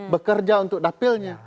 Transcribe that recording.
bekerja untuk dapilnya